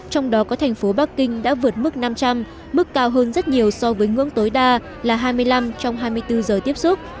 trong đó có thành phố bắc kinh đã vượt mức năm trăm linh mức cao hơn rất nhiều so với ngưỡng tối đa là hai mươi năm trong hai mươi bốn giờ tiếp xúc